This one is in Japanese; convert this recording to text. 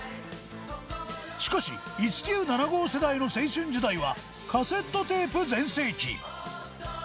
しかし１９７５世代の青春時代はカセットテープ全盛期